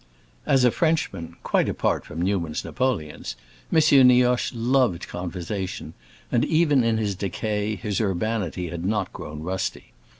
As a Frenchman—quite apart from Newman's napoleons—M. Nioche loved conversation, and even in his decay his urbanity had not grown rusty.